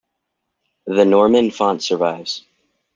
The Norman font survives.